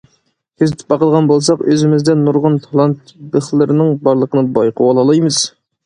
كۆزىتىپ باقىدىغان بولساق، ئۆزىمىزدە نۇرغۇن تالانت بىخلىرىنىڭ بارلىقىنى بايقىۋالالايمىز.